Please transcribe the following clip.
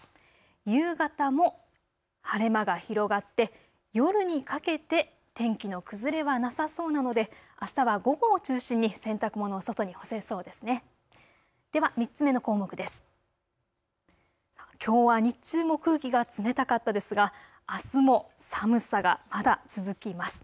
夕方も晴れ間が広がって夜にかけて天気の崩れはなさそうなので、あしたは午後を中心に洗濯物を外に干せそうですね。